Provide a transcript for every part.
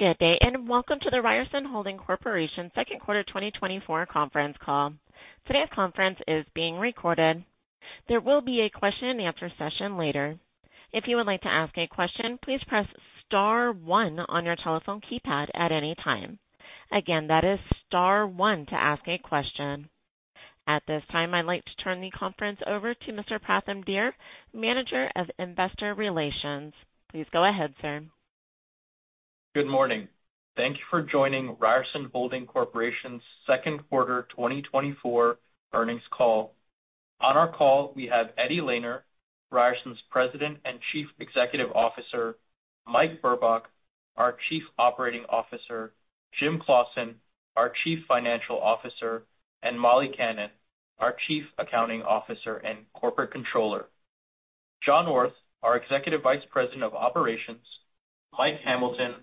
Good day, and welcome to the Ryerson Holding Corporation Second Quarter 2024 conference call. Today's conference is being recorded. There will be a question and answer session later. If you would like to ask a question, please press star one on your telephone keypad at any time. Again, that is star one to ask a question. At this time, I'd like to turn the conference over to Mr. Pratham Dheer, Manager of Investor Relations. Please go ahead, sir. Good morning. Thank you for joining Ryerson Holding Corporation's second quarter 2024 earnings call. On our call, we have Eddie Lehner, Ryerson's President and Chief Executive Officer, Mike Burbach, our Chief Operating Officer, Jim Claussen, our Chief Financial Officer, and Molly Kannan, our Chief Accounting Officer and Corporate Controller. John Orth, our Executive Vice President of Operations, Mike Hamilton,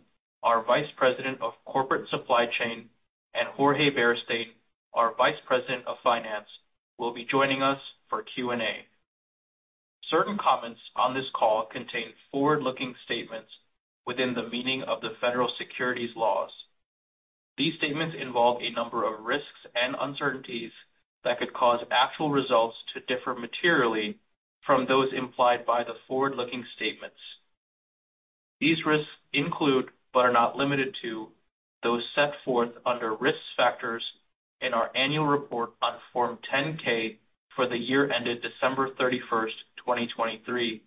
our Vice President of Corporate Supply Chain, and Jorge Beristain, our Vice President of Finance, will be joining us for Q&A. Certain comments on this call contain forward-looking statements within the meaning of the federal securities laws. These statements involve a number of risks and uncertainties that could cause actual results to differ materially from those implied by the forward-looking statements. These risks include, but are not limited to, those set forth under risk factors in our annual report on Form 10-K for the year ended December 31, 2023,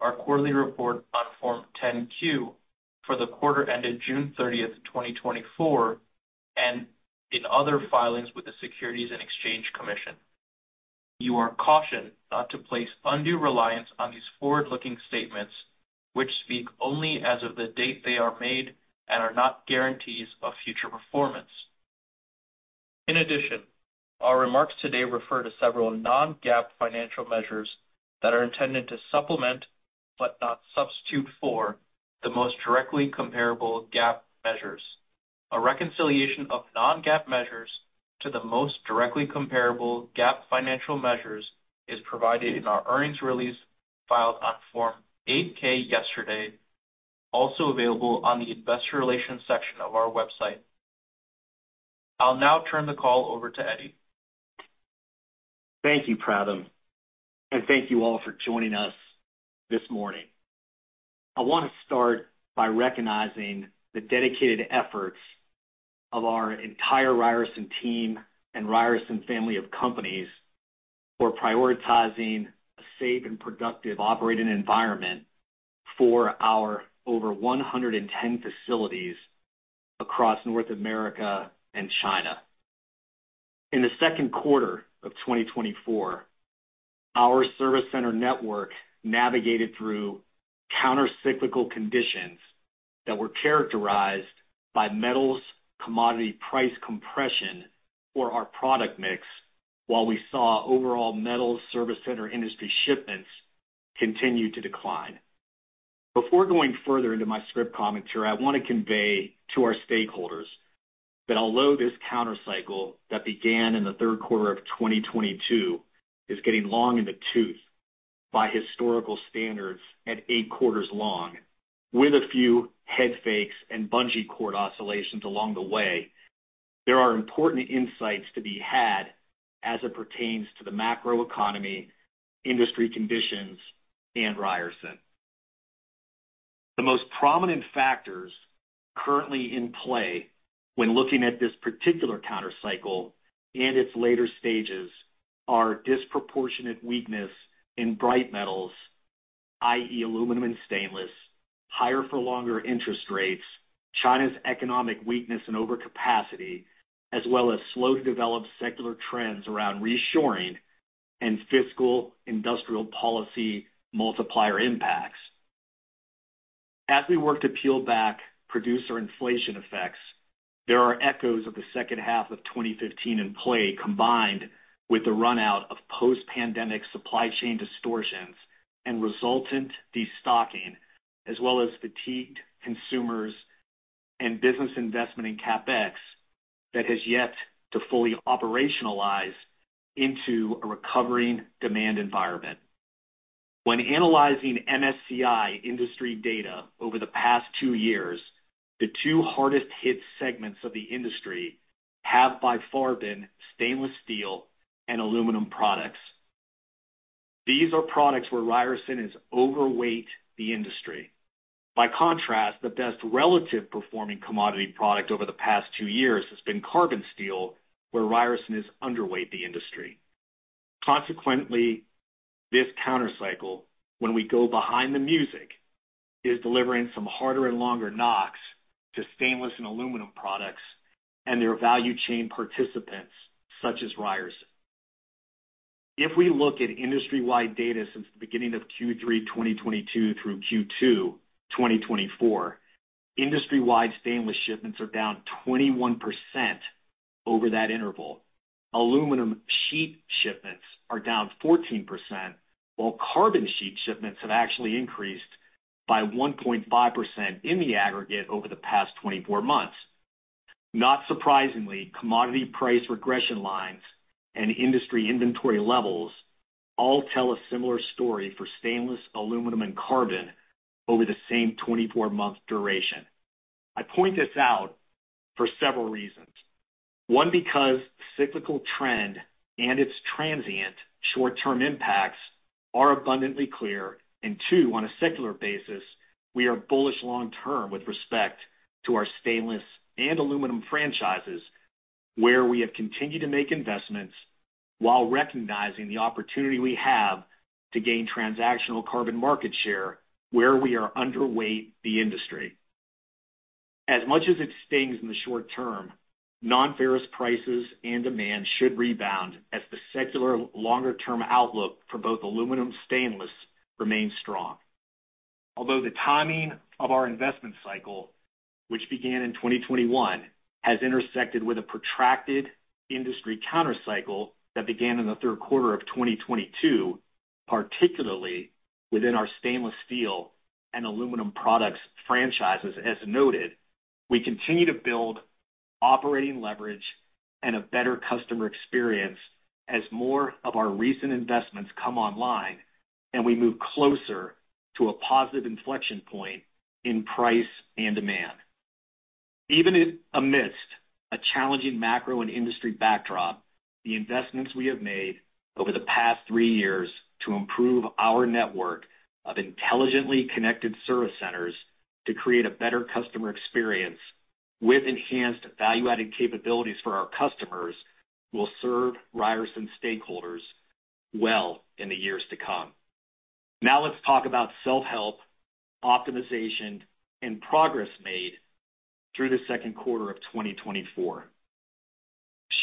our quarterly report on Form 10-Q for the quarter ended June 30, 2024, and in other filings with the Securities and Exchange Commission. You are cautioned not to place undue reliance on these forward-looking statements, which speak only as of the date they are made and are not guarantees of future performance. In addition, our remarks today refer to several non-GAAP financial measures that are intended to supplement, but not substitute for, the most directly comparable GAAP measures. A reconciliation of non-GAAP measures to the most directly comparable GAAP financial measures is provided in our earnings release filed on Form 8-K yesterday, also available on the investor relations section of our website. I'll now turn the call over to Eddie. Thank you, Pratham, and thank you all for joining us this morning. I want to start by recognizing the dedicated efforts of our entire Ryerson team and Ryerson family of companies for prioritizing a safe and productive operating environment for our over 110 facilities across North America and China. In the second quarter of 2024, our service center network navigated through countercyclical conditions that were characterized by metals, commodity price compression for our product mix, while we saw overall metal service center industry shipments continue to decline. Before going further into my script commentary, I want to convey to our stakeholders that although this counter cycle that began in the third quarter of 2022 is getting long in the tooth by historical standards at eight quarters long, with a few head fakes and bungee cord oscillations along the way, there are important insights to be had as it pertains to the macroeconomy, industry conditions, and Ryerson. The most prominent factors currently in play when looking at this particular counter cycle and its later stages are disproportionate weakness in bright metals, i.e., aluminum and stainless, higher for longer interest rates, China's economic weakness and overcapacity, as well as slow to develop secular trends around reshoring and fiscal industrial policy multiplier impacts. As we work to peel back producer inflation effects, there are echoes of the second half of 2015 in play, combined with the run out of post-pandemic supply chain distortions and resultant destocking, as well as fatigued consumers and business investment in CapEx that has yet to fully operationalize into a recovering demand environment. When analyzing MSCI industry data over the past two years, the two hardest hit segments of the industry have by far been stainless steel and aluminum products. These are products where Ryerson is overweight the industry. By contrast, the best relative performing commodity product over the past two years has been carbon steel, where Ryerson is underweight the industry. Consequently, this counter cycle, when we go Behind the Music, is delivering some harder and longer knocks to stainless and aluminum products and their value chain participants, such as Ryerson. If we look at industry-wide data since the beginning of Q3 2022 through Q2 2024, industry-wide stainless shipments are down 21% over that interval. Aluminum sheet shipments are down 14%, while carbon sheet shipments have actually increased by 1.5% in the aggregate over the past 24 months. Not surprisingly, commodity price regression lines and industry inventory levels all tell a similar story for stainless, aluminum, and carbon over the same 24-month duration. I point this out for several reasons. One, because cyclical trend and its transient short-term impacts are abundantly clear, and two, on a secular basis, we are bullish long term with respect to our stainless and aluminum franchises, where we have continued to make investments while recognizing the opportunity we have to gain transactional carbon market share, where we are underweight the industry. As much as it stings in the short term, nonferrous prices and demand should rebound as the secular longer-term outlook for both aluminum and stainless remains strong. Although the timing of our investment cycle, which began in 2021, has intersected with a protracted industry countercycle that began in the third quarter of 2022, particularly within our stainless steel and aluminum products franchises. As noted, we continue to build operating leverage and a better customer experience as more of our recent investments come online, and we move closer to a positive inflection point in price and demand. Even amidst a challenging macro and industry backdrop, the investments we have made over the past three years to improve our network of intelligently connected service centers to create a better customer experience with enhanced value-added capabilities for our customers, will serve Ryerson stakeholders well in the years to come. Now, let's talk about self-help, optimization, and progress made through the second quarter of 2024.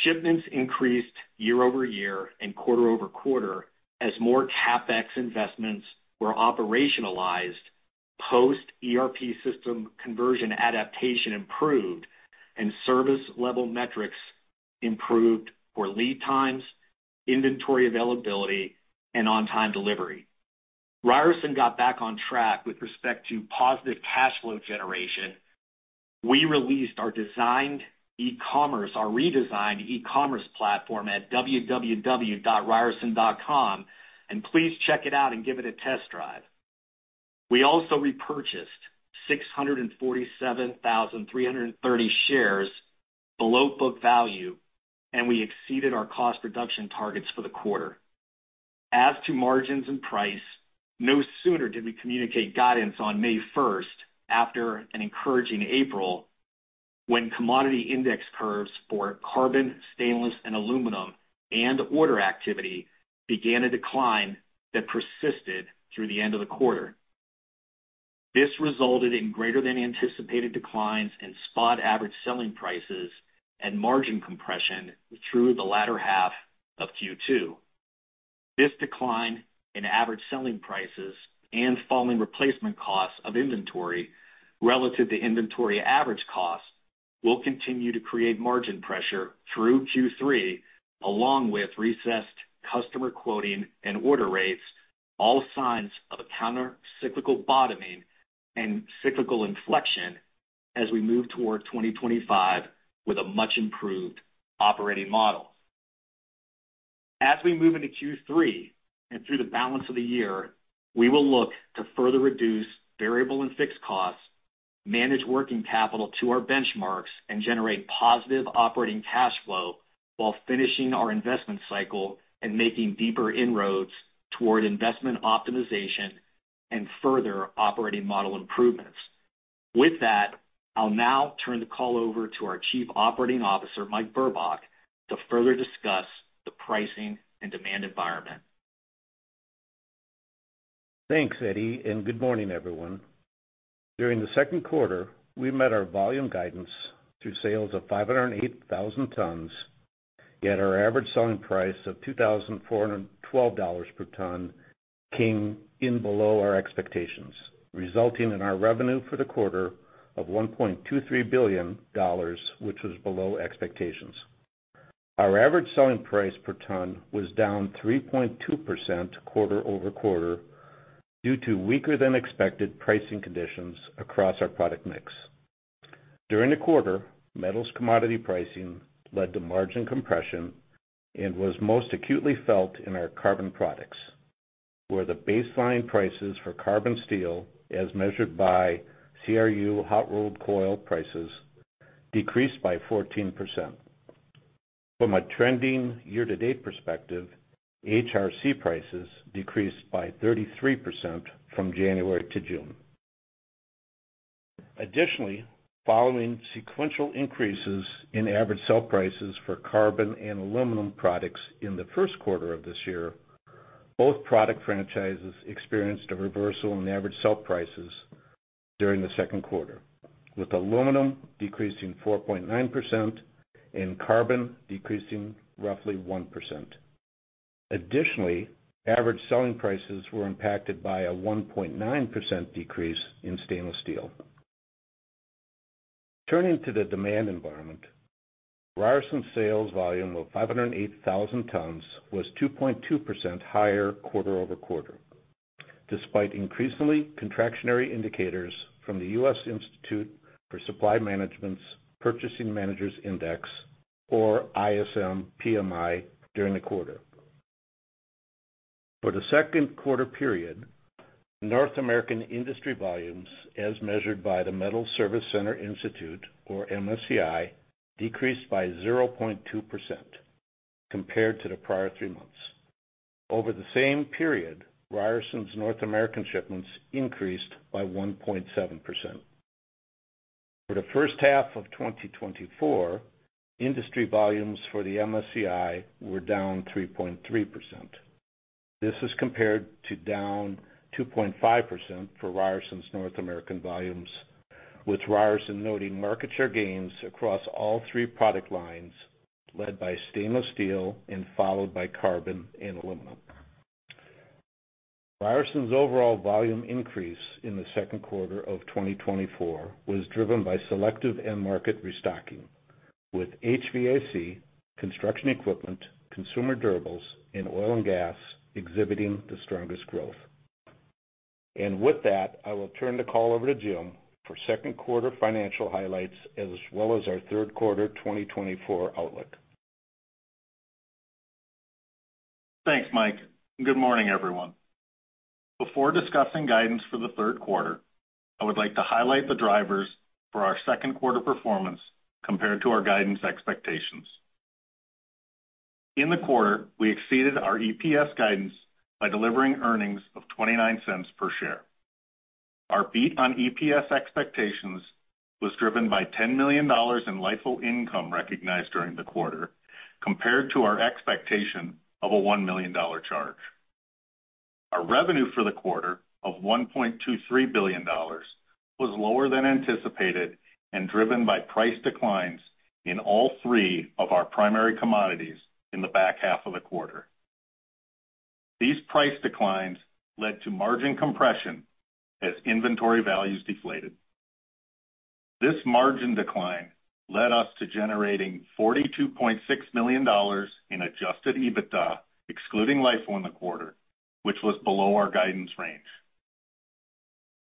Shipments increased year-over-year and quarter-over-quarter as more CapEx investments were operationalized, post-ERP system conversion adaptation improved, and service-level metrics improved for lead times, inventory availability, and on-time delivery. Ryerson got back on track with respect to positive cash flow generation. We released our redesigned e-commerce platform at www.ryerson.com, and please check it out and give it a test drive. We also repurchased 647,330 shares below book value, and we exceeded our cost reduction targets for the quarter. As to margins and price, no sooner did we communicate guidance on May 1, after an encouraging April, when commodity index curves for carbon, stainless, and aluminum, and order activity began a decline that persisted through the end of the quarter. This resulted in greater than anticipated declines in spot average selling prices and margin compression through the latter half of Q2. This decline in average selling prices and falling replacement costs of inventory relative to inventory average cost, will continue to create margin pressure through Q3, along with recessed customer quoting and order rates, all signs of a countercyclical bottoming and cyclical inflection as we move toward 2025 with a much improved operating model. As we move into Q3 and through the balance of the year, we will look to further reduce variable and fixed costs, manage working capital to our benchmarks, and generate positive operating cash flow while finishing our investment cycle and making deeper inroads toward investment optimization and further operating model improvements. With that, I'll now turn the call over to our Chief Operating Officer, Mike Burbach, to further discuss the pricing and demand environment. Thanks, Eddie, and good morning, everyone. During the second quarter, we met our volume guidance through sales of 508,000 tons, yet our average selling price of $2,412 per ton came in below our expectations, resulting in our revenue for the quarter of $1.23 billion, which was below expectations. Our average selling price per ton was down 3.2% quarter-over-quarter due to weaker than expected pricing conditions across our product mix. During the quarter, metals commodity pricing led to margin compression and was most acutely felt in our carbon products, where the baseline prices for carbon steel, as measured by CRU hot rolled coil prices, decreased by 14%. From a trending year-to-date perspective, HRC prices decreased by 33% from January to June. Additionally, following sequential increases in average sell prices for carbon and aluminum products in the first quarter of this year, both product franchises experienced a reversal in average sell prices during the second quarter, with aluminum decreasing 4.9% and carbon decreasing roughly 1%. Additionally, average selling prices were impacted by a 1.9% decrease in stainless steel. Turning to the demand environment. Ryerson's sales volume of 508,000 tons was 2.2% higher quarter-over-quarter, despite increasingly contractionary indicators from the U.S. Institute for Supply Management's Purchasing Managers Index, or ISM PMI, during the quarter. For the second quarter period, North American industry volumes, as measured by the Metal Service Center Institute, or MSCI, decreased by 0.2% compared to the prior three months. Over the same period, Ryerson's North American shipments increased by 1.7%. For the first half of 2024, industry volumes for the MSCI were down 3.3%. This is compared to down 2.5% for Ryerson's North American volumes, with Ryerson noting market share gains across all three product lines, led by stainless steel and followed by carbon and aluminum. Ryerson's overall volume increase in the second quarter of 2024 was driven by selective end market restocking, with HVAC, construction equipment, consumer durables, and oil and gas exhibiting the strongest growth. And with that, I will turn the call over to Jim for second quarter financial highlights, as well as our third quarter 2024 outlook. Thanks, Mike, and good morning, everyone. Before discussing guidance for the third quarter, I would like to highlight the drivers for our second quarter performance compared to our guidance expectations. In the quarter, we exceeded our EPS guidance by delivering earnings of 29 cents per share. Our beat on EPS expectations was driven by $10 million in LIFO income recognized during the quarter, compared to our expectation of a $1 million charge. Our revenue for the quarter of $1.23 billion was lower than anticipated and driven by price declines in all three of our primary commodities in the back half of the quarter. These price declines led to margin compression as inventory values deflated. This margin decline led us to generating $42.6 million in adjusted EBITDA, excluding LIFO in the quarter, which was below our guidance range.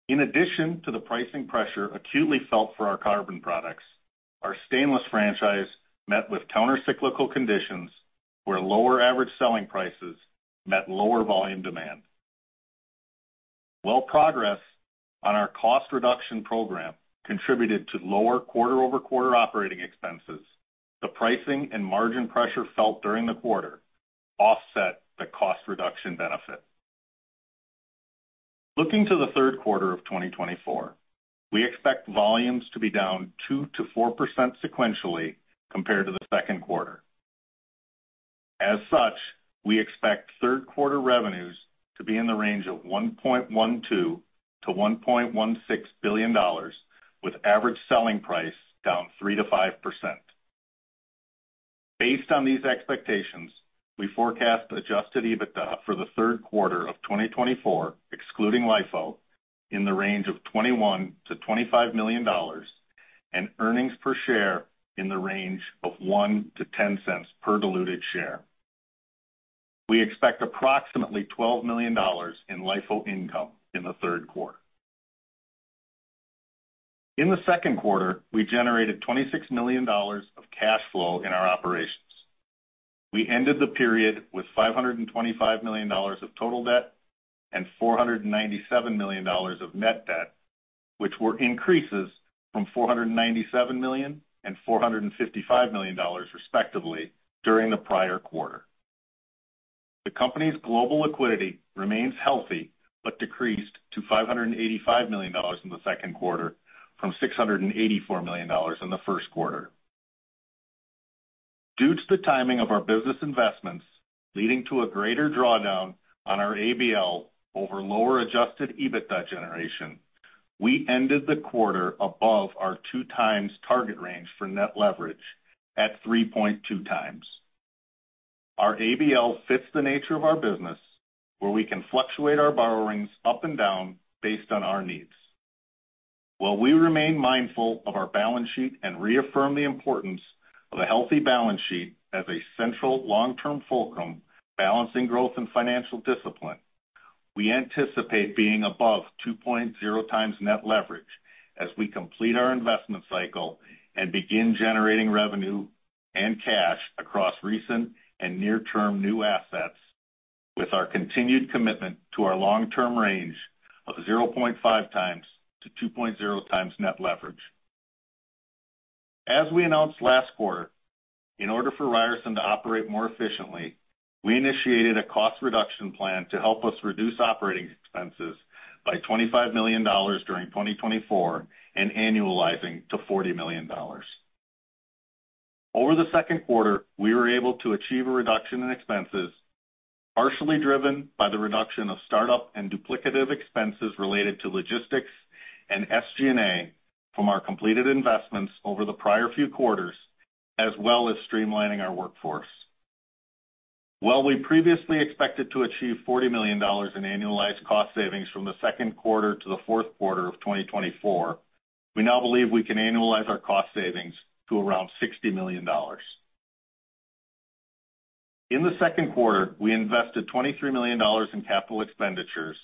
In addition to the pricing pressure acutely felt for our carbon products, our stainless franchise met with countercyclical conditions, where lower average selling prices met lower volume demand. While progress on our cost reduction program contributed to lower quarter-over-quarter operating expenses, the pricing and margin pressure felt during the quarter offset the cost reduction benefit. Looking to the third quarter of 2024, we expect volumes to be down 2%-4% sequentially compared to the second quarter. As such, we expect third quarter revenues to be in the range of $1.12 billion-$1.16 billion, with average selling price down 3%-5%. Based on these expectations, we forecast Adjusted EBITDA for the third quarter of 2024, excluding LIFO, in the range of $21 million-$25 million, and earnings per share in the range of 1-10 cents per diluted share. We expect approximately $12 million in LIFO income in the third quarter. In the second quarter, we generated $26 million of cash flow in our operations. We ended the period with $525 million of total debt and $497 million of net debt, which were increases from $497 million and $455 million, respectively, during the prior quarter. The company's global liquidity remains healthy, but decreased to $585 million in the second quarter from $684 million in the first quarter. Due to the timing of our business investments, leading to a greater drawdown on our ABL over lower Adjusted EBITDA generation, we ended the quarter above our 2x target range for net leverage at 3.2x. Our ABL fits the nature of our business, where we can fluctuate our borrowings up and down based on our needs. While we remain mindful of our balance sheet and reaffirm the importance of a healthy balance sheet as a central long-term fulcrum, balancing growth and financial discipline, we anticipate being above 2.0x net leverage as we complete our investment cycle and begin generating revenue and cash across recent and near-term new assets, with our continued commitment to our long-term range of 0.5x-2.0x net leverage. As we announced last quarter, in order for Ryerson to operate more efficiently, we initiated a cost reduction plan to help us reduce operating expenses by $25 million during 2024, and annualizing to $40 million. Over the second quarter, we were able to achieve a reduction in expenses, partially driven by the reduction of startup and duplicative expenses related to logistics and SG&A from our completed investments over the prior few quarters, as well as streamlining our workforce. While we previously expected to achieve $40 million in annualized cost savings from the second quarter to the fourth quarter of 2024, we now believe we can annualize our cost savings to around $60 million. In the second quarter, we invested $23 million in capital expenditures,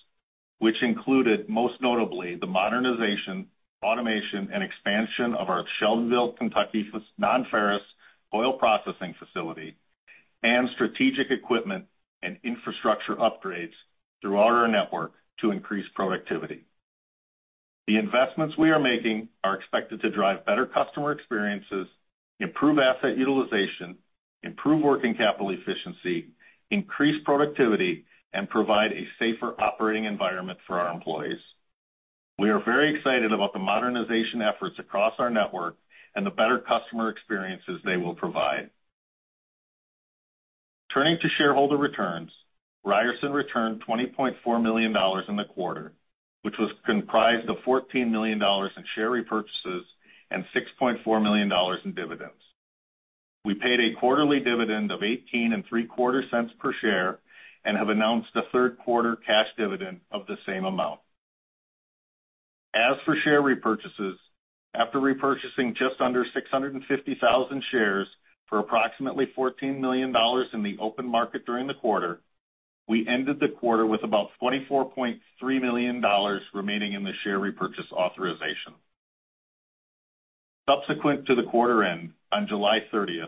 which included, most notably, the modernization, automation, and expansion of our Shelbyville, Kentucky, nonferrous coil processing facility and strategic equipment and infrastructure upgrades throughout our network to increase productivity. The investments we are making are expected to drive better customer experiences, improve asset utilization, improve working capital efficiency, increase productivity, and provide a safer operating environment for our employees. We are very excited about the modernization efforts across our network and the better customer experiences they will provide. Turning to shareholder returns, Ryerson returned $20.4 million in the quarter, which was comprised of $14 million in share repurchases and $6.4 million in dividends. We paid a quarterly dividend of $0.1875 per share and have announced a third quarter cash dividend of the same amount. As for share repurchases, after repurchasing just under 650,000 shares for approximately $14 million in the open market during the quarter, we ended the quarter with about $24.3 million remaining in the share repurchase authorization. Subsequent to the quarter end, on July 30,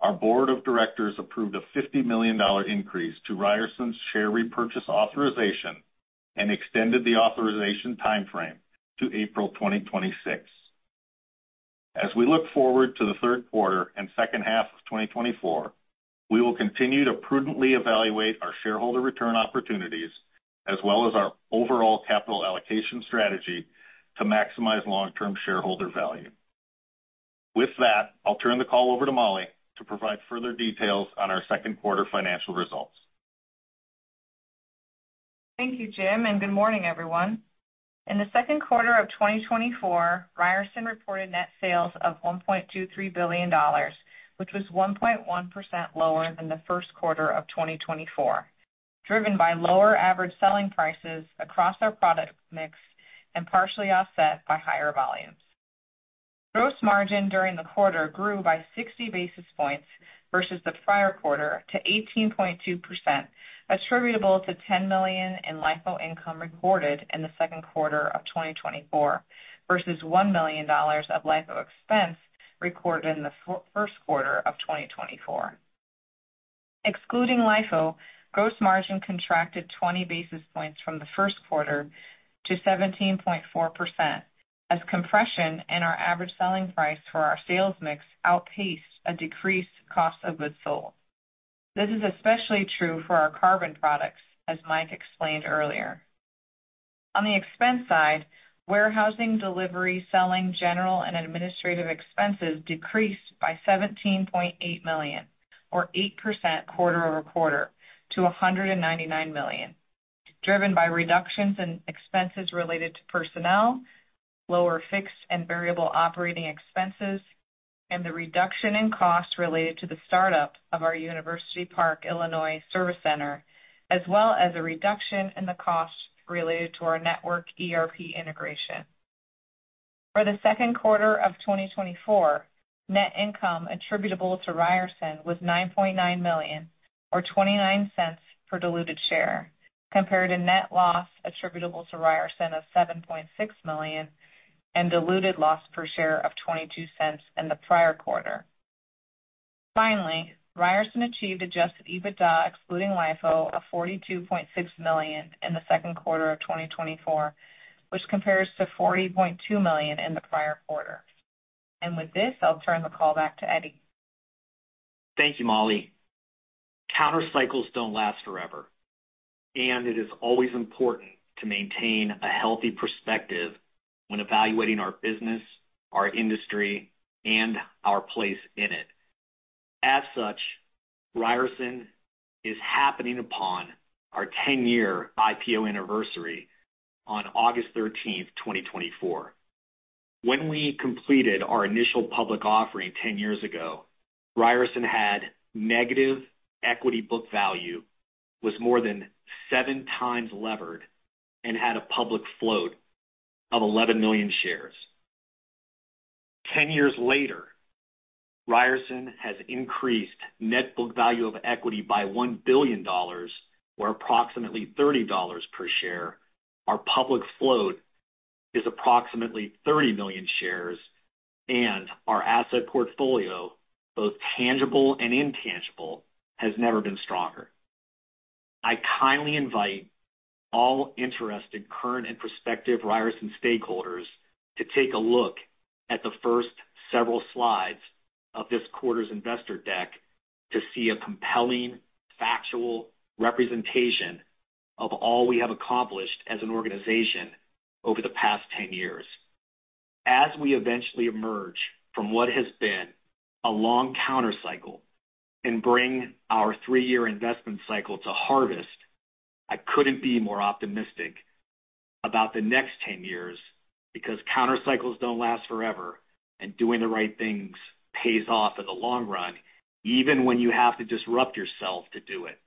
our board of directors approved a $50 million dollar increase to Ryerson's share repurchase authorization and extended the authorization time frame to April 2026. As we look forward to the third quarter and second half of 2024, we will continue to prudently evaluate our shareholder return opportunities, as well as our overall capital allocation strategy to maximize long-term shareholder value. With that, I'll turn the call over to Molly to provide further details on our second quarter financial results. Thank you, Jim, and good morning, everyone. In the second quarter of 2024, Ryerson reported net sales of $1.23 billion, which was 1.1% lower than the first quarter of 2024, driven by lower average selling prices across our product mix and partially offset by higher volumes. Gross margin during the quarter grew by 60 basis points versus the prior quarter to 18.2%, attributable to $10 million in LIFO income recorded in the second quarter of 2024, versus $1 million of LIFO expense recorded in the first quarter of 2024. Excluding LIFO, gross margin contracted 20 basis points from the first quarter to 17.4%, as compression in our average selling price for our sales mix outpaced a decreased cost of goods sold. This is especially true for our carbon products, as Mike explained earlier. On the expense side, warehousing, delivery, selling, general and administrative expenses decreased by $17.8 million, or 8% quarter-over-quarter, to $199 million, driven by reductions in expenses related to personnel, lower fixed and variable operating expenses, and the reduction in costs related to the startup of our University Park, Illinois, service center, as well as a reduction in the costs related to our network ERP integration. For the second quarter of 2024, net income attributable to Ryerson was $9.9 million, or $0.29 per diluted share, compared to net loss attributable to Ryerson of $7.6 million and diluted loss per share of $0.22 in the prior quarter. Finally, Ryerson achieved adjusted EBITDA, excluding LIFO, of $42.6 million in the second quarter of 2024, which compares to $40.2 million in the prior quarter. With this, I'll turn the call back to Eddie. Thank you, Molly. Countercyclical trends don't last forever, and it is always important to maintain a healthy perspective when evaluating our business, our industry, and our place in it. As such, Ryerson is happening upon our 10-year IPO anniversary on August thirteenth, 2024. When we completed our initial public offering 10 years ago, Ryerson had negative equity book value, was more than 7x levered, and had a public float of 11 million shares. 10 years later, Ryerson has increased net book value of equity by $1 billion, or approximately $30 per share. Our public float is approximately 30 million shares, and our asset portfolio, both tangible and intangible, has never been stronger. I kindly invite all interested, current, and prospective Ryerson stakeholders to take a look at the first several slides of this quarter's investor deck to see a compelling, factual representation of all we have accomplished as an organization over the past 10 years. As we eventually emerge from what has been a long countercycle and bring our three-year investment cycle to harvest, I couldn't be more optimistic.... about the next 10 years, because counter cycles don't last forever, and doing the right things pays off in the long run, even when you have to disrupt yourself to do it.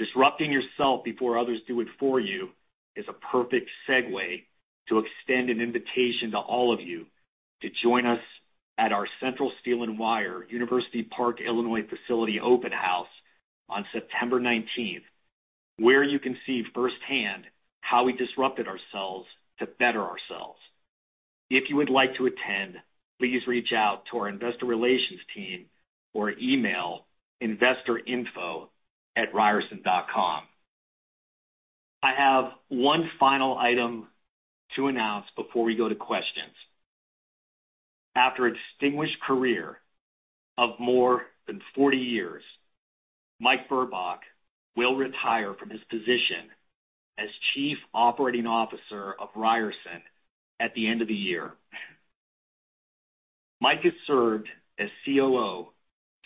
Disrupting yourself before others do it for you is a perfect segue to extend an invitation to all of you to join us at our Central Steel & Wire University Park, Illinois, facility open house on September nineteenth, where you can see firsthand how we disrupted ourselves to better ourselves. If you would like to attend, please reach out to our investor relations team or email investorinfo@ryerson.com. I have one final item to announce before we go to questions. After a distinguished career of more than 40 years, Mike Burbach will retire from his position as Chief Operating Officer of Ryerson at the end of the year. Mike has served as COO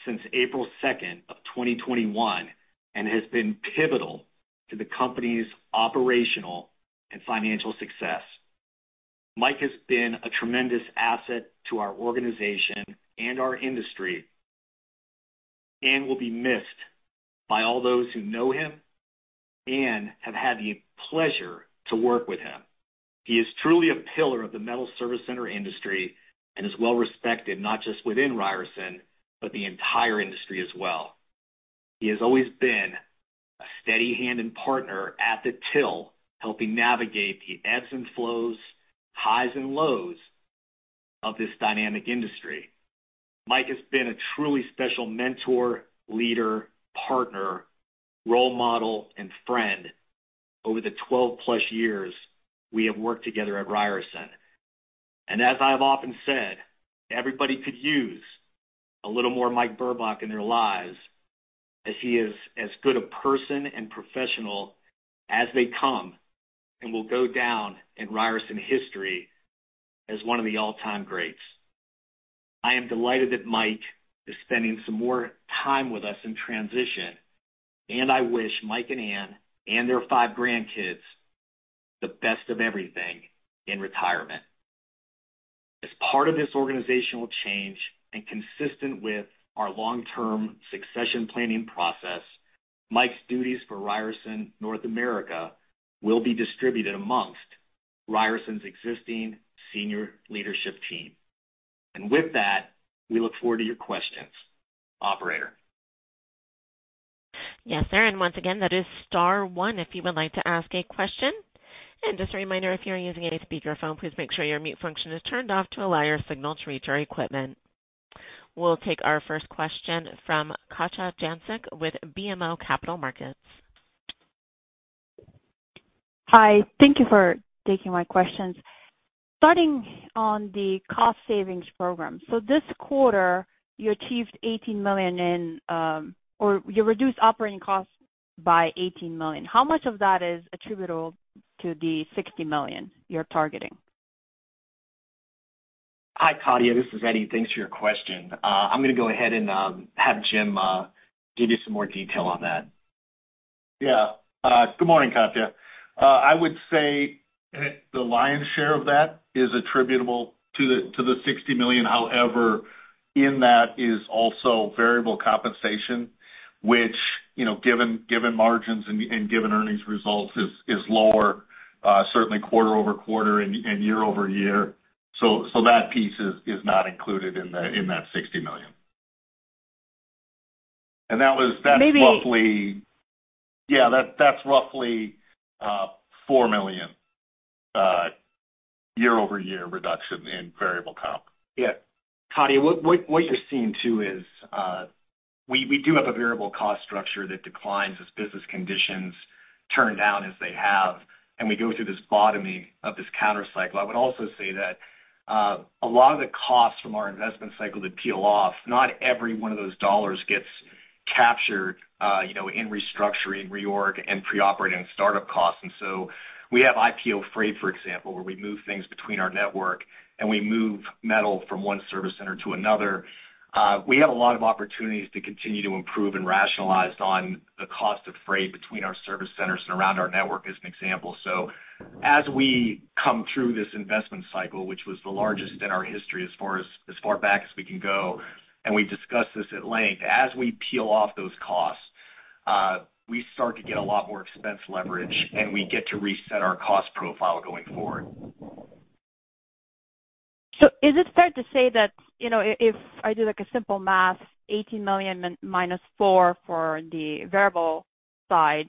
since April 2, 2021, and has been pivotal to the company's operational and financial success. Mike has been a tremendous asset to our organization and our industry, and will be missed by all those who know him and have had the pleasure to work with him. He is truly a pillar of the metal service center industry and is well respected, not just within Ryerson, but the entire industry as well. He has always been a steady hand and partner at the till, helping navigate the ebbs and flows, highs and lows of this dynamic industry. Mike has been a truly special mentor, leader, partner, role model, and friend over the 12+ years we have worked together at Ryerson. And as I've often said, everybody could use a little more Mike Burbach in their lives, as he is as good a person and professional as they come, and will go down in Ryerson history as one of the all-time greats. I am delighted that Mike is spending some more time with us in transition, and I wish Mike and Anne, and their five grandkids, the best of everything in retirement. As part of this organizational change and consistent with our long-term succession planning process, Mike's duties for Ryerson North America will be distributed amongst Ryerson's existing senior leadership team. And with that, we look forward to your questions. Operator? Yes, sir, and once again, that is star one if you would like to ask a question. And just a reminder, if you're using any speakerphone, please make sure your mute function is turned off to allow your signal to reach our equipment. We'll take our first question from Katja Jancic with BMO Capital Markets. Hi, thank you for taking my questions. Starting on the cost savings program. So this quarter, you achieved $18 million in, or you reduced operating costs by $18 million. How much of that is attributable to the $60 million you're targeting? Hi, Katja, this is Eddie. Thanks for your question. I'm gonna go ahead and have Jim give you some more detail on that. Yeah. Good morning, Katja. I would say the lion's share of that is attributable to the $60 million. However, in that is also variable compensation, which, you know, given margins and given earnings results, is lower, certainly quarter-over-quarter and year-over-year. So that piece is not included in that $60 million. And that was, that's roughly- Maybe- Yeah, that's roughly $4 million year-over-year reduction in variable comp. Yeah. Katja, what you're seeing, too, is, we do have a variable cost structure that declines as business conditions turn down as they have, and we go through this bottoming of this countercycle. I would also say that, a lot of the costs from our investment cycle that peel off, not every one of those dollars gets captured, you know, in restructuring, reorg, and pre-operating startup costs. And so we have IPO freight, for example, where we move things between our network and we move metal from one service center to another. We have a lot of opportunities to continue to improve and rationalize on the cost of freight between our service centers and around our network, as an example. So as we come through this investment cycle, which was the largest in our history as far back as we can go, and we've discussed this at length. As we peel off those costs, we start to get a lot more expense leverage, and we get to reset our cost profile going forward. So is it fair to say that, you know, if I do, like, a simple math, $80 million minus $4 million for the variable side,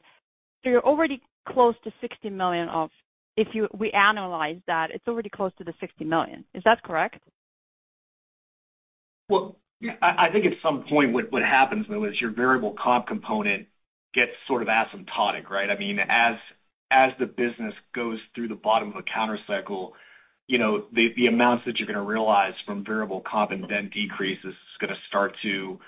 so you're already close to $60 million of... If we analyze that, it's already close to the $60 million. Is that correct? Well, yeah, I think at some point what happens, though, is your variable comp component gets sort of asymptotic, right? I mean, as the business goes through the bottom of a counter cycle, you know, the amounts that you're gonna realize from variable comp and then decrease is gonna start to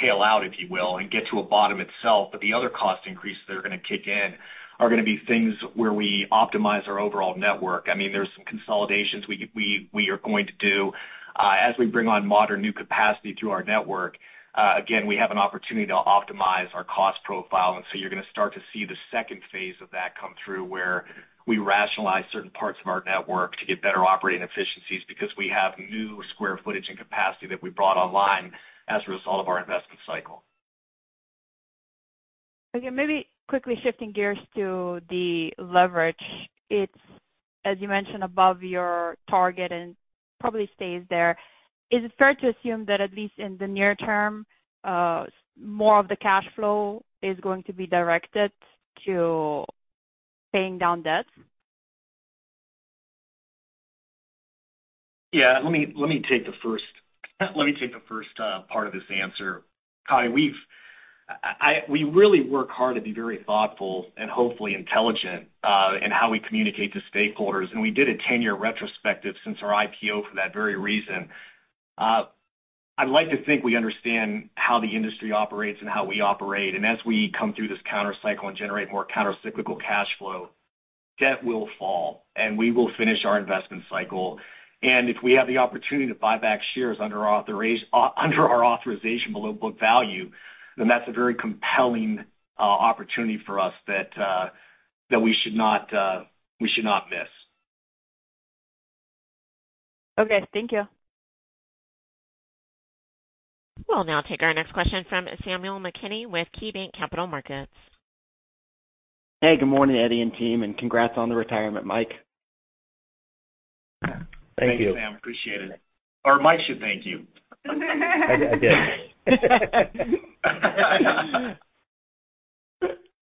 tail out, if you will, and get to a bottom itself. But the other cost increases that are gonna kick in are gonna be things where we optimize our overall network. I mean, there's some consolidations we are going to do as we bring on modern new capacity to our network. Again, we have an opportunity to optimize our cost profile, and so you're gonna start to see the second phase of that come through, where we rationalize certain parts of our network to get better operating efficiencies because we have new square footage and capacity that we brought online as a result of our investment cycle. Okay, maybe quickly shifting gears to the leverage. It's, as you mentioned, above your target and probably stays there. Is it fair to assume that at least in the near term, more of the cash flow is going to be directed to paying down debt? Yeah, let me take the first part of this answer. Katja, we really work hard to be very thoughtful and hopefully intelligent in how we communicate to stakeholders, and we did a 10-year retrospective since our IPO for that very reason. I'd like to think we understand how the industry operates and how we operate, and as we come through this countercycle and generate more countercyclical cashflow, debt will fall, and we will finish our investment cycle. And if we have the opportunity to buy back shares under our authorization below book value, then that's a very compelling opportunity for us that we should not miss. Okay, thank you. We'll now take our next question from Samuel McKinney with KeyBanc Capital Markets. Hey, good morning, Eddie and team, and congrats on the retirement, Mike. Thank you, Sam. Appreciate it. Or Mike should thank you.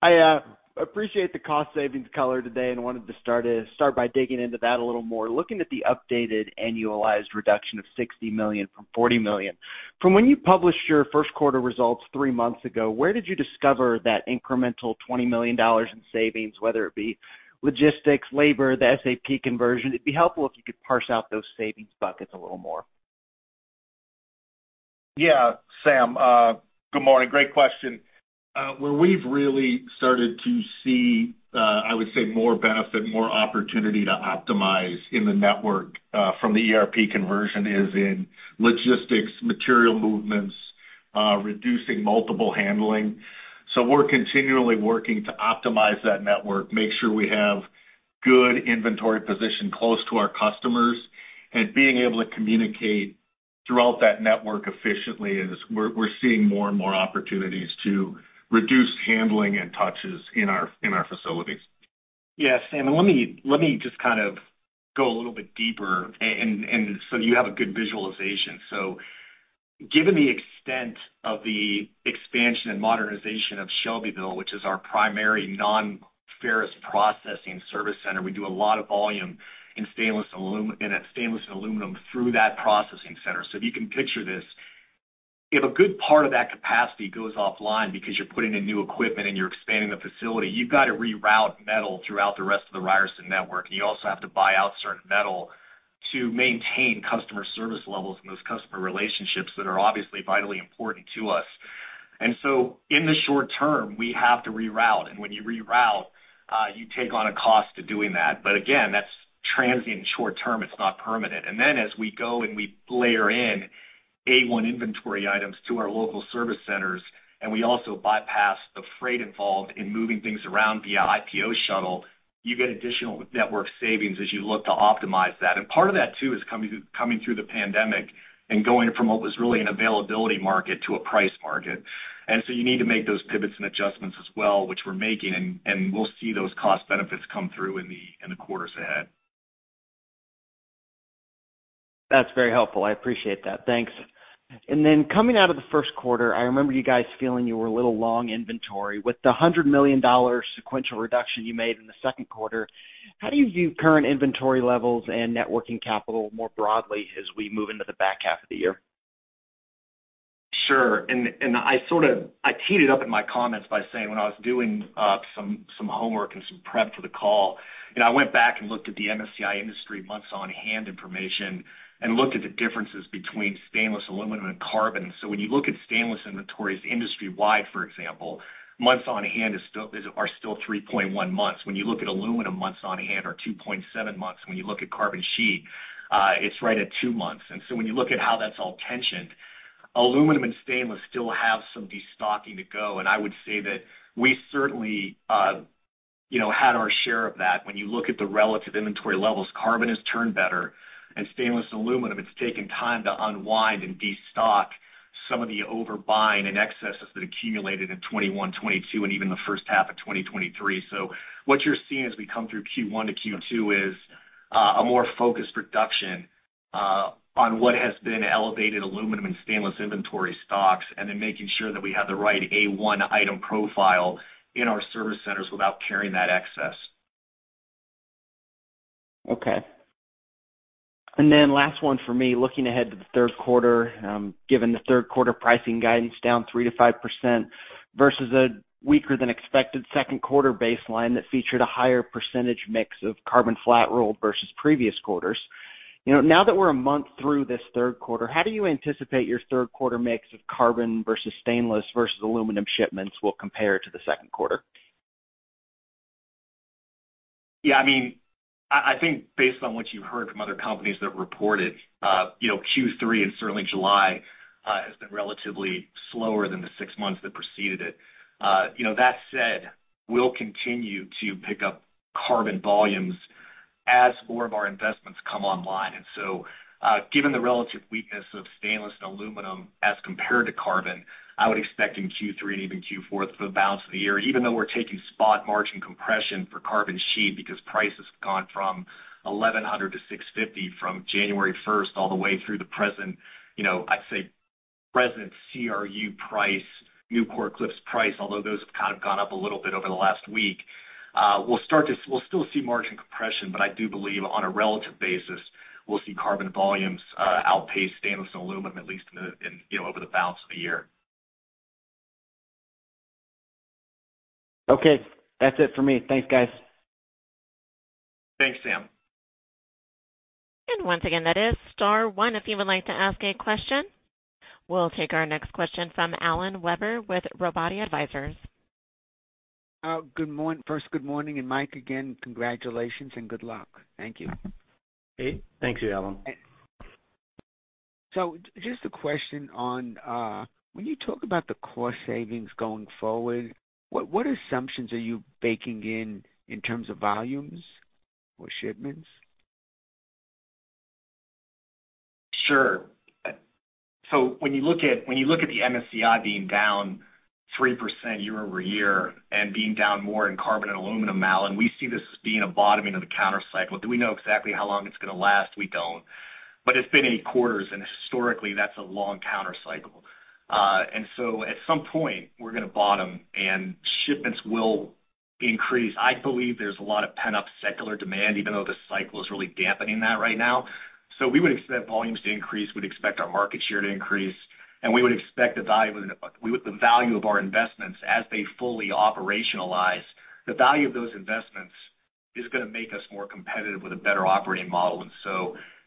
I appreciate the cost savings color today and wanted to start it, start by digging into that a little more. Looking at the updated annualized reduction of $60 million from $40 million, from when you published your first quarter results three months ago, where did you discover that incremental $20 million in savings, whether it be logistics, labor, the SAP conversion? It'd be helpful if you could parse out those savings buckets a little more. Yeah, Sam, good morning. Great question. Where we've really started to see, I would say, more benefit, more opportunity to optimize in the network, from the ERP conversion is in logistics, material movements, reducing multiple handling. So we're continually working to optimize that network, make sure we have good inventory position close to our customers, and being able to communicate throughout that network efficiently, we're seeing more and more opportunities to reduce handling and touches in our facilities. Yeah, Sam, let me just kind of go a little bit deeper and so you have a good visualization. So given the extent of the expansion and modernization of Shelbyville, which is our primary non-ferrous processing service center, we do a lot of volume in stainless and aluminum through that processing center. So if you can picture this, if a good part of that capacity goes offline because you're putting in new equipment and you're expanding the facility, you've got to reroute metal throughout the rest of the Ryerson network. You also have to buy out certain metal to maintain customer service levels and those customer relationships that are obviously vitally important to us. And so in the short term, we have to reroute, and when you reroute, you take on a cost to doing that. But again, that's transient short term, it's not permanent. And then as we go and we layer in A1 inventory items to our local service centers, and we also bypass the freight involved in moving things around via IPO shuttle, you get additional network savings as you look to optimize that. Part of that, too, is coming through, coming through the pandemic and going from what was really an availability market to a price market. And so you need to make those pivots and adjustments as well, which we're making, and we'll see those cost benefits come through in the quarters ahead. That's very helpful. I appreciate that. Thanks. Then coming out of the first quarter, I remember you guys feeling you were a little long inventory. With the $100 million sequential reduction you made in the second quarter, how do you view current inventory levels and net working capital more broadly as we move into the back half of the year? Sure, I sort of, I teed it up in my comments by saying when I was doing some homework and some prep for the call, and I went back and looked at the MSCI industry months on hand information and looked at the differences between stainless, aluminum, and carbon. So when you look at stainless inventories, industry-wide, for example, months on hand are still 3.1 months. When you look at aluminum, months on hand are 2.7 months. When you look at carbon sheet, it's right at 2 months. And so when you look at how that's all tensioned, aluminum and stainless still have some destocking to go. And I would say that we certainly, you know, had our share of that. When you look at the relative inventory levels, carbon has turned better, and stainless aluminum, it's taken time to unwind and destock some of the overbuying and excesses that accumulated in 2021, 2022, and even the first half of 2023. So what you're seeing as we come through Q1 to Q2 is a more focused reduction on what has been elevated aluminum and stainless inventory stocks, and then making sure that we have the right A1 item profile in our service centers without carrying that excess. Okay. And then last one for me. Looking ahead to the third quarter, given the third quarter pricing guidance down 3%-5% versus a weaker than expected second quarter baseline, that featured a higher percentage mix of carbon flat roll versus previous quarters. You know, now that we're a month through this third quarter, how do you anticipate your third quarter mix of carbon versus stainless versus aluminum shipments will compare to the second quarter? Yeah, I mean, I think based on what you've heard from other companies that reported, you know, Q3 and certainly July has been relatively slower than the six months that preceded it. You know, that said, we'll continue to pick up carbon volumes as more of our investments come online. And so, given the relative weakness of stainless and aluminum as compared to carbon, I would expect in Q3 and even Q4 for the balance of the year, even though we're taking spot margin compression for carbon sheet, because price has gone from $1,100 to $650 from January 1 all the way through the present, you know, I'd say present CRU price, Nucor, Cliffs price, although those have kind of gone up a little bit over the last week, we'll still see margin compression, but I do believe on a relative basis, we'll see carbon volumes outpace stainless and aluminum, at least in the, you know, over the balance of the year. Okay, that's it for me. Thanks, guys. Thanks, Sam. And once again, that is star one, if you would like to ask a question. We'll take our next question from Alan Weber with Robotti Advisors. Good morning. First, good morning, and Mike, again, congratulations and good luck. Thank you. Hey, thank you, Alan. So just a question on when you talk about the cost savings going forward, what assumptions are you baking in, in terms of volumes or shipments? Sure. So when you look at, when you look at the MSCI being down 3% year-over-year and being down more in carbon and aluminum, Alan, we see this as being a bottoming of the counter cycle. Do we know exactly how long it's going to last? We don't. But it's been eight quarters, and historically, that's a long counter cycle. And so at some point, we're going to bottom, and shipments will increase. I believe there's a lot of pent-up secular demand, even though the cycle is really dampening that right now. So we would expect volumes to increase, we'd expect our market share to increase, and we would expect the value of it, with the value of our investments as they fully operationalize. The value of those investments is going to make us more competitive with a better operating model.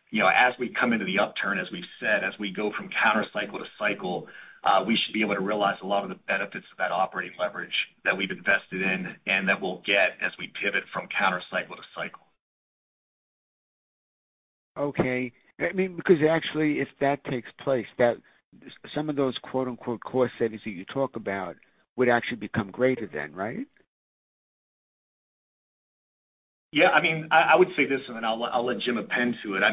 You know, as we come into the upturn, as we've said, as we go from counter cycle to cycle, we should be able to realize a lot of the benefits of that operating leverage that we've invested in and that we'll get as we pivot from counter cycle to cycle. Okay. I mean, because actually, if that takes place, that some of those, quote-unquote, cost savings that you talk about would actually become greater than, right? Yeah. I mean, I would say this, and then I'll let Jim append to it.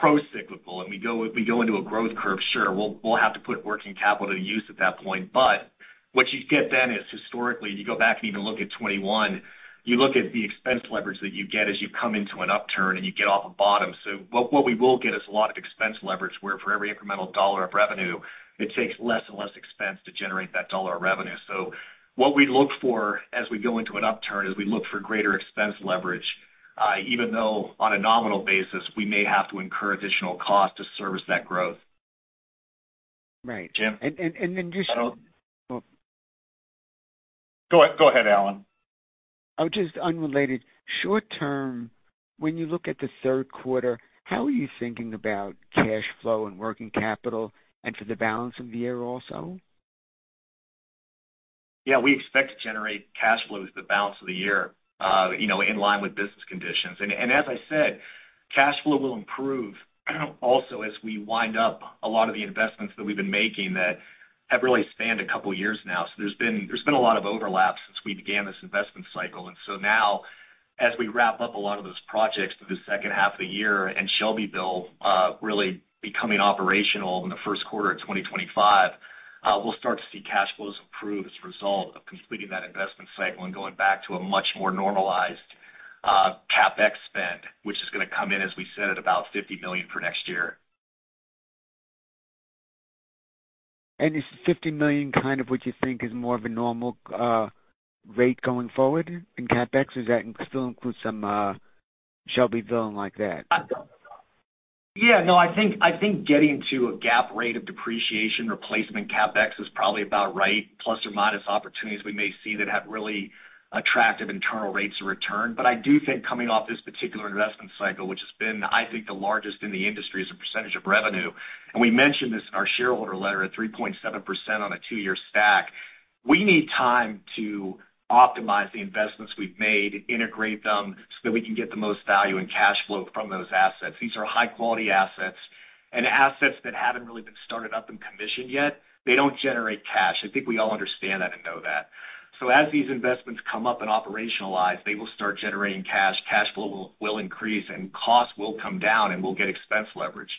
I mean, the history typically is when we do go, I'd say, procyclical and we go into a growth curve, sure, we'll have to put working capital to use at that point. But what you get then is historically, you go back and even look at 2021, you look at the expense leverage that you get as you come into an upturn and you get off a bottom. So what we will get is a lot of expense leverage, where for every incremental dollar of revenue, it takes less and less expense to generate that dollar of revenue. So what we look for as we go into an upturn is we look for greater expense leverage, even though on a nominal basis, we may have to incur additional costs to service that growth. Right. Jim? Then just- Go ahead, Alan. Just unrelated. Short term, when you look at the third quarter, how are you thinking about cash flow and working capital and for the balance of the year also? Yeah, we expect to generate cash flows the balance of the year, you know, in line with business conditions. And as I said, cash flow will improve also as we wind up a lot of the investments that we've been making that have really spanned a couple of years now. So there's been a lot of overlap since we began this investment cycle. And so now, as we wrap up a lot of those projects through the second half of the year and Shelbyville really becoming operational in the first quarter of 2025, we'll start to see cash flows improve as a result of completing that investment cycle and going back to a much more normalized CapEx spend, which is going to come in, as we said, at about $50 million for next year. Is $50 million kind of what you think is more of a normal rate going forward in CapEx, or does that still include some Shelbyville like that? Yeah. No, I think, I think getting to a GAAP rate of depreciation replacement CapEx is probably about right, plus or minus opportunities we may see that have really attractive internal rates of return. But I do think coming off this particular investment cycle, which has been, I think, the largest in the industry as a percentage of revenue, and we mentioned this in our shareholder letter at 3.7% on a 2-year stack, we need time to optimize the investments we've made, integrate them, so that we can get the most value and cash flow from those assets. These are high-quality assets, and assets that haven't really been started up and commissioned yet, they don't generate cash. I think we all understand that and know that. So as these investments come up and operationalize, they will start generating cash. Cash flow will increase and costs will come down, and we'll get expense leverage.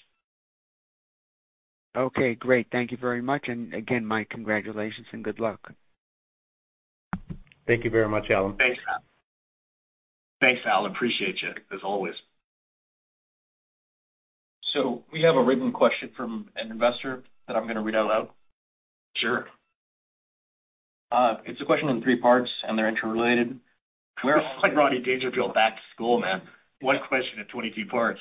Okay, great. Thank you very much. Again, Mike, congratulations and good luck. Thank you very much, Alan. Thanks. Thanks, Al. Appreciate you, as always. We have a written question from an investor that I'm going to read out loud. Sure. It's a question in three parts, and they're interrelated. This is like Rodney Dangerfield Back to School, man. One question in 22 parts.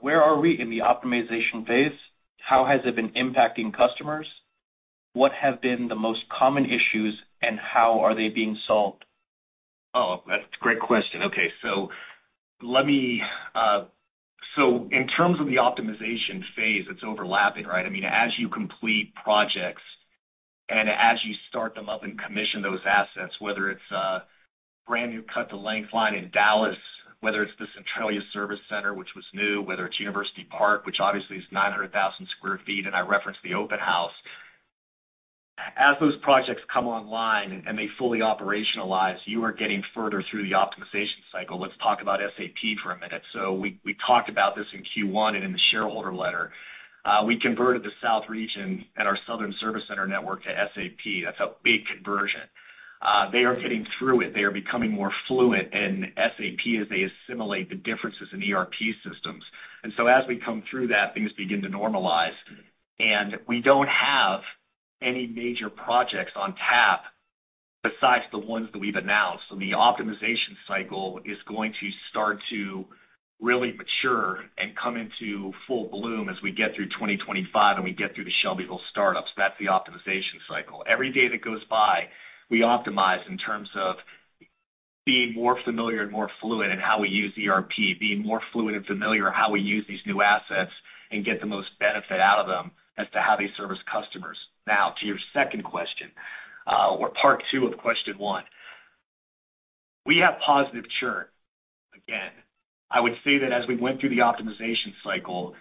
Where are we in the optimization phase? How has it been impacting customers? What have been the most common issues, and how are they being solved? Oh, that's a great question. Okay, so let me. So in terms of the optimization phase, it's overlapping, right? I mean, as you complete projects and as you start them up and commission those assets, whether it's a brand new cut-to-length line in Dallas, whether it's the Centralia service center, which was new, whether it's University Park, which obviously is 900,000 sq ft, and I referenced the open house. As those projects come online and they fully operationalize, you are getting further through the optimization cycle. Let's talk about SAP for a minute. So we, we talked about this in Q1 and in the shareholder letter. We converted the South Region and our Southern service center network to SAP. That's a big conversion. They are getting through it. They are becoming more fluent in SAP as they assimilate the differences in ERP systems. And so as we come through that, things begin to normalize, and we don't have any major projects on tap besides the ones that we've announced. So the optimization cycle is going to start to really mature and come into full bloom as we get through 2025 and we get through the Shelbyville startups. That's the optimization cycle. Every day that goes by, we optimize in terms of being more familiar and more fluent in how we use ERP, being more fluent and familiar how we use these new assets and get the most benefit out of them as to how they service customers. Now, to your second question, or part two of question one. We have positive churn, again. I would say that as we went through the optimization cycle,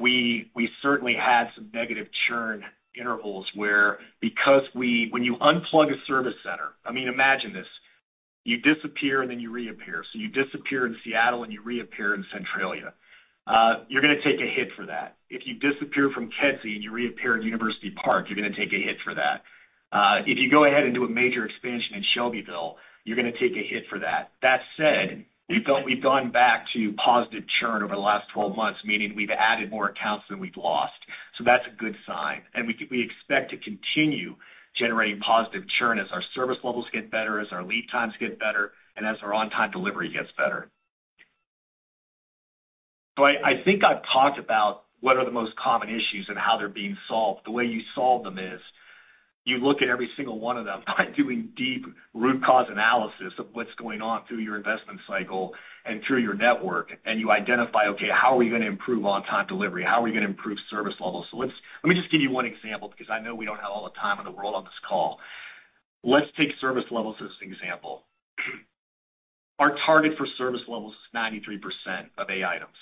we certainly had some negative churn intervals where, because when you unplug a service center, I mean, imagine this, you disappear and then you reappear. So you disappear in Seattle, and you reappear in Centralia. You're gonna take a hit for that. If you disappear from Kedzie, and you reappear in University Park, you're gonna take a hit for that. If you go ahead and do a major expansion in Shelbyville, you're gonna take a hit for that. That said, we've gone back to positive churn over the last 12 months, meaning we've added more accounts than we've lost. So that's a good sign, and we expect to continue generating positive churn as our service levels get better, as our lead times get better, and as our on-time delivery gets better. So I, I think I've talked about what are the most common issues and how they're being solved. The way you solve them is, you look at every single one of them by doing deep root cause analysis of what's going on through your investment cycle and through your network, and you identify, okay, how are we gonna improve on-time delivery? How are we gonna improve service levels? So let's, let me just give you one example, because I know we don't have all the time in the world on this call. Let's take service levels as an example. Our target for service levels is 93% of A items.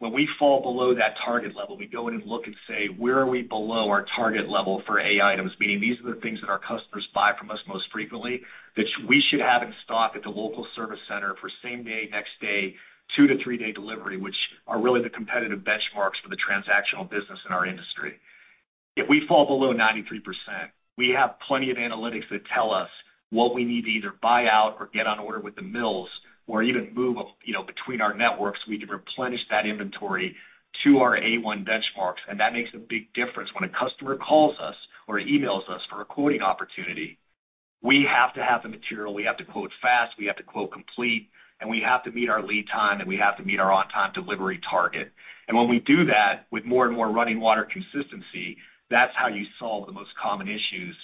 When we fall below that target level, we go in and look and say, "Where are we below our target level for A items?" Meaning, these are the things that our customers buy from us most frequently, which we should have in stock at the local service center for same day, next day, 2- to 3-day delivery, which are really the competitive benchmarks for the transactional business in our industry. If we fall below 93%, we have plenty of analytics that tell us what we need to either buy out or get on order with the mills, or even move, you know, between our networks. We need to replenish that inventory to our A1 benchmarks, and that makes a big difference. When a customer calls us or emails us for a quoting opportunity, we have to have the material, we have to quote fast, we have to quote complete, and we have to meet our lead time, and we have to meet our on-time delivery target. And when we do that with more and more running water consistency, that's how you solve the most common issues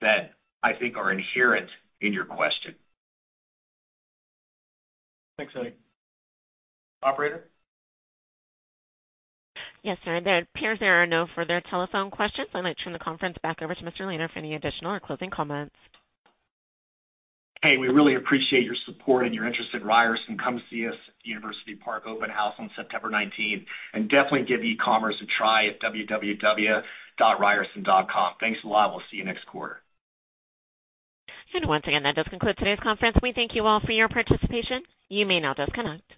that I think are inherent in your question. Thanks, Eddie. Operator? Yes, sir. It appears there are no further telephone questions. I'd like to turn the conference back over to Mr. Lehner for any additional or closing comments. Hey, we really appreciate your support and your interest in Ryerson. Come see us at the University Park open house on September nineteenth, and definitely give e-commerce a try at www.ryerson.com. Thanks a lot. We'll see you next quarter. Once again, that does conclude today's conference. We thank you all for your participation. You may now disconnect.